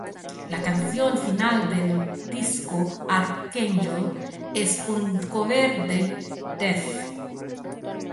La canción final del disco, "Archangel", es un cover de Death.